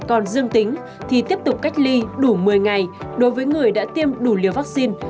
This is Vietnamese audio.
còn dương tính thì tiếp tục cách ly đủ một mươi ngày đối với người đã tiêm đủ liều vaccine